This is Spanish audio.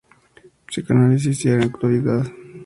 Psicoanálisis y actualidad".